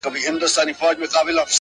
چي جانان وي قاسم یاره او صهبا وي,